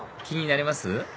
気になります？